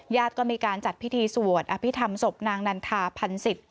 ญาติก็มีการจัดพิธีสวดอภิษฐรรมศพนางนันทาพันศิษฐ